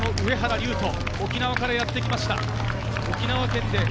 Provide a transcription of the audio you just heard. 琉翔、沖縄からやってきました。